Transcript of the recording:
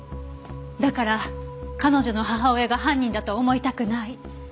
だから彼女の母親が犯人だと思いたくない。